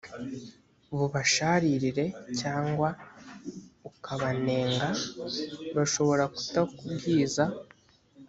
bubasharirire cyangwa ukabanenga bashobora kutakubwiza